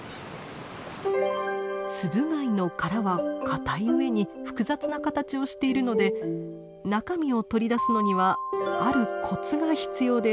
ツブ貝の殻はかたいうえに複雑な形をしているので中身を取り出すのにはあるコツが必要です。